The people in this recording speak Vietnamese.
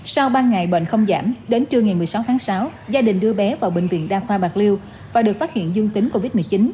sau ba ngày bệnh không giảm đến trưa ngày một mươi sáu tháng sáu gia đình đưa bé vào bệnh viện đa khoa bạc liêu và được phát hiện dương tính covid một mươi chín